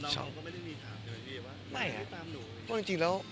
แต่เราก็ไม่ได้มีถามเลยว่าไม่ตามหนู